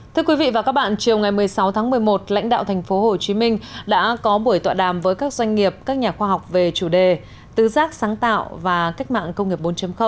thưa quý vị và các bạn chiều ngày một mươi sáu tháng một mươi một lãnh đạo tp hcm đã có buổi tọa đàm với các doanh nghiệp các nhà khoa học về chủ đề tứ giác sáng tạo và cách mạng công nghiệp bốn